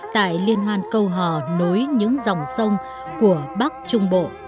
tại liên hoan câu hò nối những dòng sông của bắc trung bộ